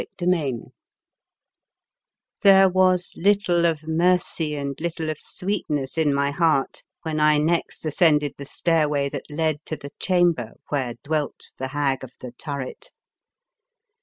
Chapter IV THERE was little of mercy and little of sweetness in my heart when I next ascended the stairway that led to the chamber where dwelt the Hag of the Turret.